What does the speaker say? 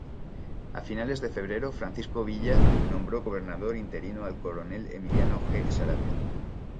A finales de febrero, Francisco Villa nombró gobernador interino al coronel Emiliano G. Saravia.